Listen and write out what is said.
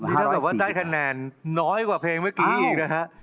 ถ้าแบบว่าได้คะแนนน้อยกว่าเพลงเมื่อกี้อีกนะฮะ